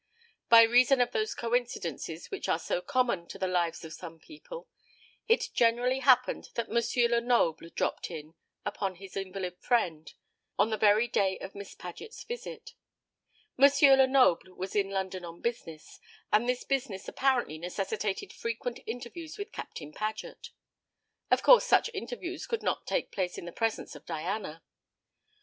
By reason of those coincidences which are so common to the lives of some people, it generally happened that M. Lenoble dropped in upon his invalid friend on the very day of Miss Paget's visit. M. Lenoble was in London on business, and this business apparently necessitated frequent interviews with Captain Paget. Of course such interviews could not take place in the presence of Diana.